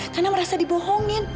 karena merasa dibohongin